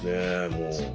もう。